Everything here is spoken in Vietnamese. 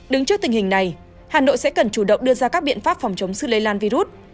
đứng trước tình hình này hà nội sẽ cần chủ động đưa ra các biện pháp phòng chống sự lây lan virus